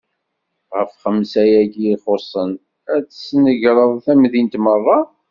Ɣef xemsa-agi ixuṣṣen, ad tesnegreḍ tamdint meṛṛa?